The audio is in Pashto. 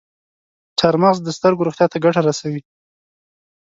چارمغز د سترګو روغتیا ته ګټه رسوي.